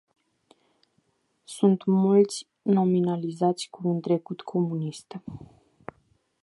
Sunt mulți nominalizați cu un trecut comunist.